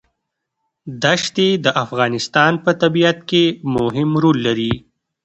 دښتې د افغانستان په طبیعت کې مهم رول لري.